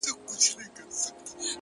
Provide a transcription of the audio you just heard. • د رنګینۍ په بېلتانه کي مرمه ,